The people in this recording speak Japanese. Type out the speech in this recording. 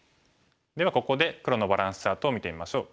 ではここで黒のバランスチャートを見てみましょう。